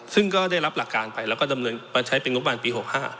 ซึ่งก็ได้รับหลักการไปแล้วก็ดำเนินมาใช้เป็นงบประมาณปี๖๕